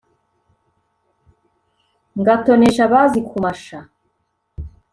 ngatonesha abazi kumasha